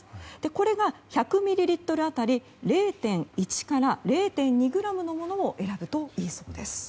これが１００ミリリットル当たり０．１から０．２ｇのものを選ぶといいそうです。